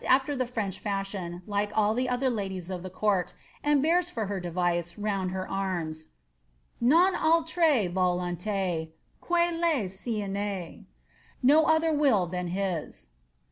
after the French fashion like all the other ladies of this conrt, and bears for her device round her arms, ^ Mm auUre volonii que le tkmne^ ^ No other will than his.'